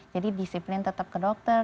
jadi disiplin tetap ke dokter